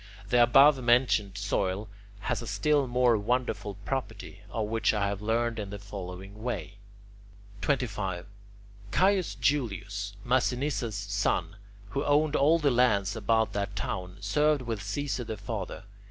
The above mentioned soil has a still more wonderful property, of which I have learned in the following way. 25. Caius Julius, Masinissa's son, who owned all the lands about that town, served with Caesar the father.